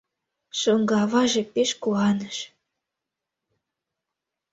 Шоҥго аваже пеш куаныш...